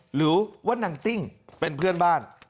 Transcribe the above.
หรือว่านางติ้งเป็นเพื่อนบ้าน